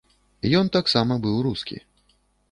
Ён таксама быў рускі.